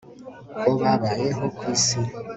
ko babayeho ku isi